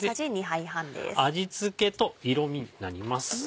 味付けと色みになります。